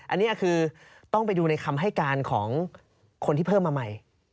อันนี้คือต้องไปดูในคำให้การของคนที่เพิ่มมาใหม่